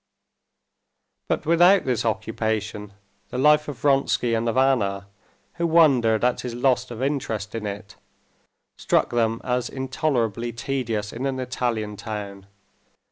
But without this occupation, the life of Vronsky and of Anna, who wondered at his loss of interest in it, struck them as intolerably tedious in an Italian town.